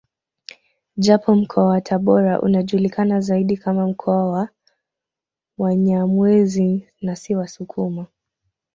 Japo mkoa wa Tabora unajulikana zaidi kama mkoa wa Wanyamwezi na si wasukuma